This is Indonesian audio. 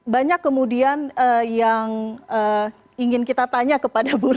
banyak kemudian yang ingin kita tanya kepada bu rufus